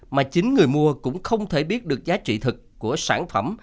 mà chính người mua cũng không thể biết được giá trị thực của sản phẩm